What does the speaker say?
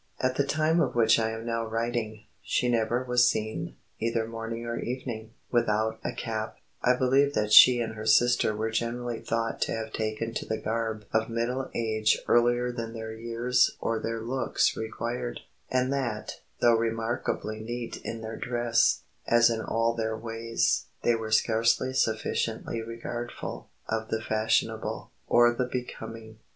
At the time of which I am now writing, she never was seen, either morning or evening, without a cap; I believe that she and her sister were generally thought to have taken to the garb of middle age earlier than their years or their looks required; and that, though remarkably neat in their dress, as in all their ways, they were scarcely sufficiently regardful of the fashionable, or the becoming."